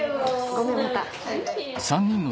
ごめんまた。